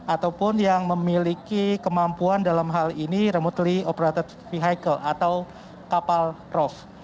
ataupun yang memiliki kemampuan dalam hal ini remotely operated vehicle atau kapal rov